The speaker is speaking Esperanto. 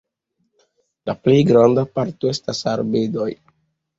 La plej granda parto estas arbedoj.